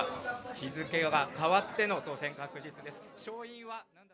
日付が変わっての当選確実です。